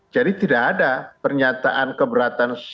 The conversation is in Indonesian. jadi tidak ada pernyataan keberatan